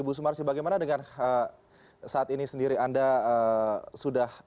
ibu sumarsi bagaimana dengan saat ini sendiri anda sudah